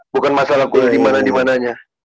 bukan masalah kuliah dimana dimananya